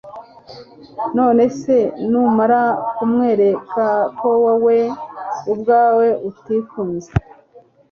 Nonese numara kumwereka ko wowe ubwawe utikunze